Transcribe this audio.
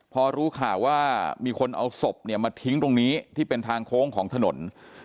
พอรู้ข่าวว่ามีคนเอาศพเนี่ยมาทิ้งตรงนี้ที่เป็นทางโค้งของถนน